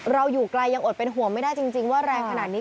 เราอยู่ไกลยังอดเป็นห่วงไม่ได้จริงว่าแรงขนาดนี้